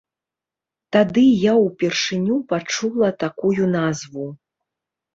Тады я ўпершыню пачула такую назву.